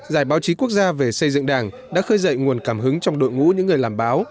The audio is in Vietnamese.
giải báo chí quốc gia về xây dựng đảng đã khơi dậy nguồn cảm hứng trong đội ngũ những người làm báo